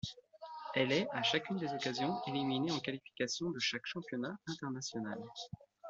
Elle est à chacune des occasions éliminée en qualifications de chaque championnat international.